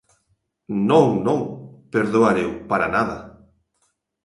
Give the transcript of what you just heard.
Non, non, perdoar eu, para nada.